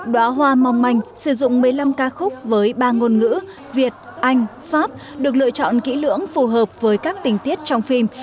đó hoa mong manh sử dụng một mươi năm ca khúc với ba ngôn ngữ việt anh pháp được lựa chọn kỹ lưỡng phù hợp với các tình tiết trong phim